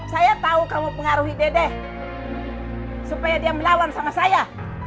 saya tahu kamu pengaruhi deh deh supaya dia melawan sama saya